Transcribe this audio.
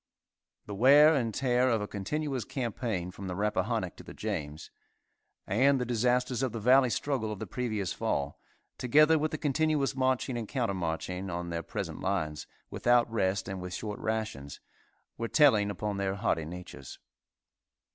The wear and tear of a continuous campaign from the Rappahannoc to the James, and the disasters of the Valley struggle of the previous fall, together with the continuous marching and counter marching on their present lines, without rest and with short rations, were telling upon their hardy natures.